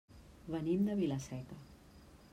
Venim de Vila-seca.